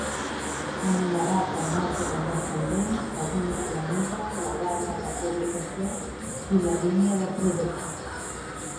Enumerat en ordre descendent segons la mida, la data de publicació i la línia de productes.